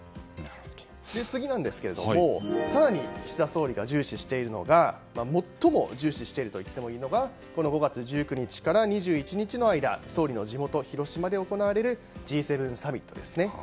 次に、更に岸田総理が最も重視しているといってもいいのが５月１９日から２１日の間総理の地元・広島で行われるＧ７サミットですね。